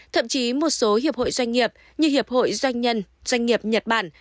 thậm chí một số hiệp hội doanh nghiệp như hiệp hội doanh nhân doanh nghiệp nhật bản